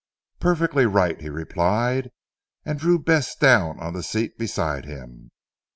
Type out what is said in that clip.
"Perfectly right," he replied, and drew Bess down on the seat beside him.